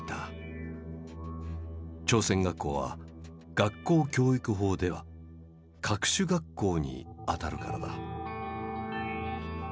朝鮮学校は学校教育法では「各種学校」にあたるからだ。